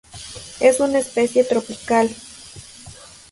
Es una especie tropical.